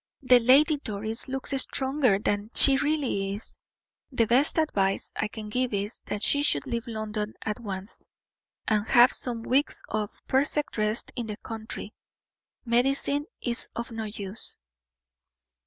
"The Lady Doris looks stronger than she really is; the best advice I can give is, that she should leave London at once, and have some weeks of perfect rest in the country. Medicine is of no use."